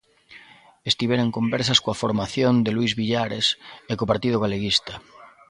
Estivera en conversas coa formación de Luís Villares e co Partido Galeguista.